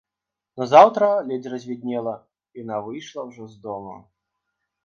Назаўтра, ледзь развіднела, яна выйшла ўжо з дому.